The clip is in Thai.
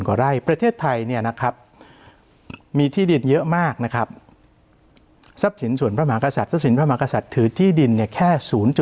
ในประเทศไทยมีที่ดินเยอะมากทรัพย์สินพระมหากษัตริย์ถือที่ดินแค่๐๐๑